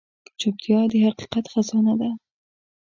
چوپتیا، د حقیقت خزانه ده.